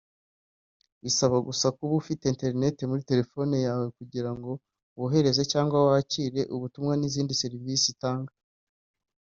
bisaba gusa kuba ufite internet muri telefoni yawe kugira ngo wohereze cyangwa wakire ubutumwa n’izindi serivisi itanga